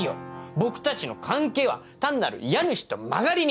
僕たちの関係は単なる家主と間借り人。